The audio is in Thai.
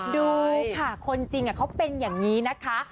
ดูค่ะคนจริงเขาเป็นอย่างนี้นะคะ